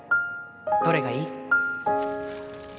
どれがいい？